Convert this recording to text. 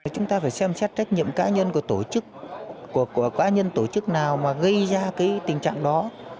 chúng ta phải xem xét trách nhiệm cá nhân của tổ chức của cá nhân tổ chức nào mà gây ra cái tình trạng đó